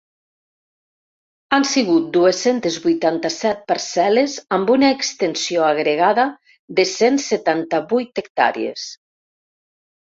Han sigut dues-centes vuitanta-set parcel·les amb una extensió agregada de cent setanta-vuit hectàrees.